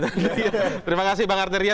terima kasih bang artyria